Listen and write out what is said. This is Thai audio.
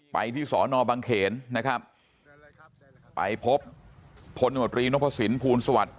ไปที่สอนอบังเขนนะครับไปพบพลโนตรีนพสินภูลสวัสดิ